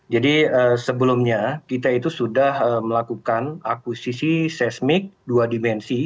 jadi sebelumnya kita itu sudah melakukan akusisi seismik dua dimensi